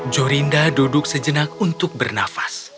jorinda duduk sejenak untuk bernafas